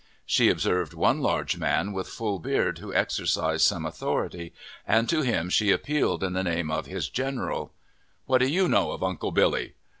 She observed one large man, with full beard, who exercised some authority, and to him she appealed in the name of "his general." "What do you know of Uncle Billy?"